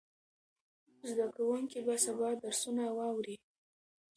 زده کوونکي به سبا درسونه واوري.